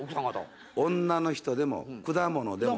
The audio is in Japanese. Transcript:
女の人でも果物でも。